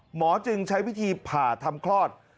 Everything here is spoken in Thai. หมอจึงใช้วิธีผ่าทำคลอด